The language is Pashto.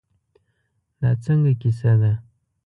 دا څنګه کیسه ده.